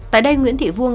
tại đây nguyễn thị vuông